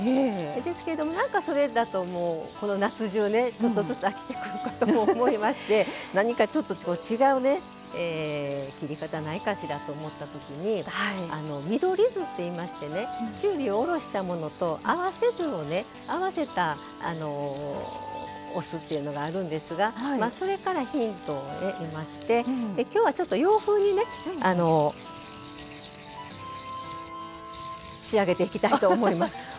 ですけど、なんかそれだと夏中、ちょっとずつ飽きてくるかと思いまして何かちょっと違う切り方ないかしらと思ったときに緑酢っていいましてきゅうりを下ろしたものと合わせ酢を合わせたお酢っていうのがあるんですがそれからヒントを得ましてきょうは洋風に仕上げていきたいと思います。